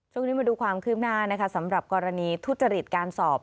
ช่วงนี้มาดูความคืบหน้านะคะสำหรับกรณีทุจริตการสอบ